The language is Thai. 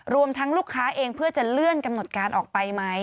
รวมทั้งลูกค้าเองเพื่อจะเลื่อนกำหนดการออกไปไหม